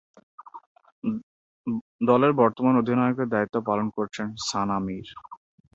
দলের বর্তমান অধিনায়কের দায়িত্ব পালন করছেন সানা মীর।